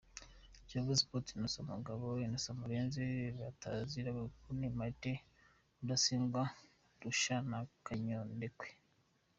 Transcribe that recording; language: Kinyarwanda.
Kiyovu Sport : Innocent Kagabo, Innocent Murenzi bataziraga Gukuni, Martin Rudasingwa, Rusha na Kanyadekwe.